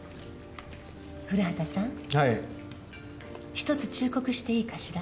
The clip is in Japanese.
ひとつ忠告していいかしら。